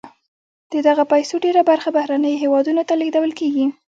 د دغه پیسو ډیره برخه بهرنیو هېوادونو ته لیږدول کیږي.